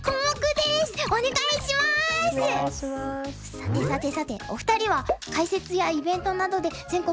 さてさてさてお二人は解説やイベントなどで全国